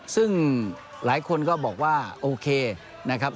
ซึ่งหลายคนก็บอกว่าโอเคนะครับ